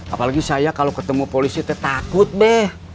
apalagi saya kalau ketemu polisi takut beh